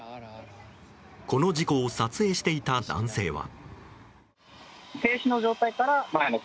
この事故を撮影していた男性は。